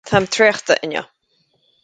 Táim traochta inniu.